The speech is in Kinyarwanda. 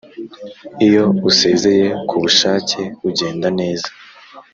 iyo usezeye ku bushake ugenda neza